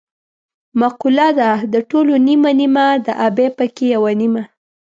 مقوله ده: د ټولو نیمه نیمه د ابۍ پکې یوه نیمه.